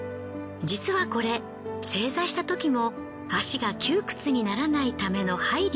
実はこれ正座したときも足が窮屈にならないための配慮。